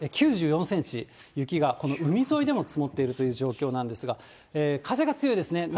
９４センチ、雪が、この海沿いでも積もっているという状況なんですが、風が強いですね、